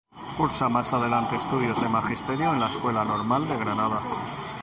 Cursa más adelante estudios de Magisterio en la Escuela Normal de Granada.